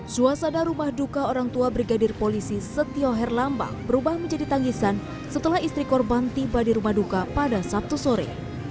suasana rumah duka orang tua brigadir polisi setio herlambang berubah menjadi tangisan setelah istri korban tiba di rumah duka pada sabtu sore